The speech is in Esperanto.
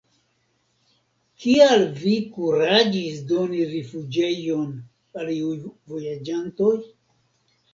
Kial vi kuraĝis doni rifuĝejon al iuj vojaĝantoj?